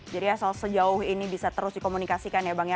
asal sejauh ini bisa terus dikomunikasikan ya bang ya